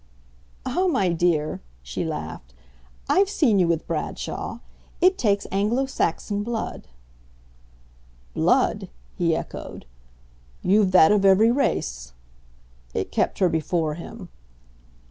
"Ah, my dear," she laughed, "I've seen you with Bradshaw! It takes Anglo Saxon blood." "'Blood'?" he echoed. "You've that of every race!" It kept her before him.